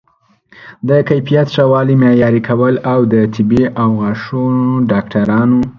د کیفیت ښه والی معیاري کول او د طبي او غاښونو ډاکټرانو